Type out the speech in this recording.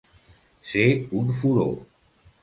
Ser un furó.